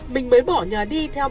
mình mới bỏ nhà đi theo bà